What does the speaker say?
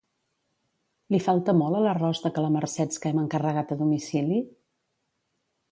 Li falta molt a l'arròs de calamarsets que hem encarregat a domicili?